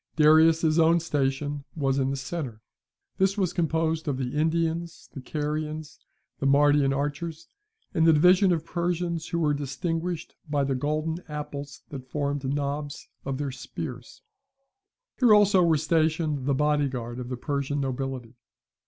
Darius's own station was in the centre. This was composed of the Indians, the Carians, the Mardian archers, and the division of Persians who were distinguished by the golden apples that formed knobs of their spears. Here also were stationed the body guard of the Persian nobility.